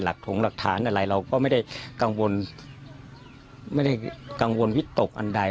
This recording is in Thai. หลักถงหรือหลักฐานอะไรเราก็ไม่ได้กังวลวิตตกอันใด